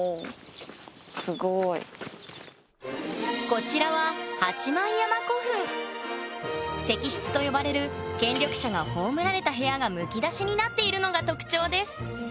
こちらは石室と呼ばれる権力者が葬られた部屋がむき出しになっているのが特徴ですへえ。